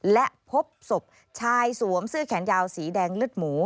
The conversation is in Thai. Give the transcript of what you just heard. และพบศพชายสวมเสื้อแขนยาวสีแดงเลือดหมู